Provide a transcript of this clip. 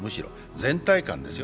全体感ですよ。